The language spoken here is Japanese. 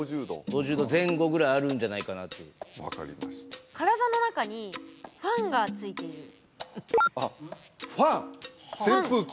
５０度前後ぐらいあるんじゃないかなっていう分かりました体の中にファンが付いているあっファン扇風機？